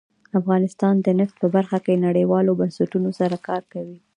افغانستان د نفت په برخه کې نړیوالو بنسټونو سره کار کوي.